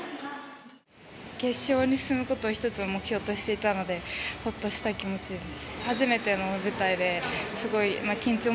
決勝に進むことを１つの目標としていたのでほっとした気持ちです。